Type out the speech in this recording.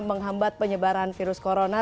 menghambat penyebaran virus corona